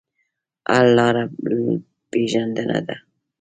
حل لاره پېژندنه ده.